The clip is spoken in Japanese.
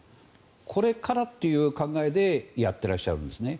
これからという考えでやってらっしゃるんですね。